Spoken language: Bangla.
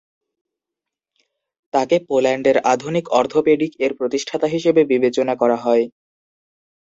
তাকে পোল্যান্ডের আধুনিক অর্থোপেডিক এর প্রতিষ্ঠাতা হিসেবে বিবেচনা করা হয়।